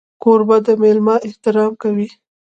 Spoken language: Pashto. کوربه د مېلمه احترام کوي.